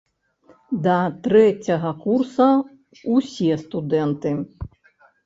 Да трэцяга курса ўсе студэнты.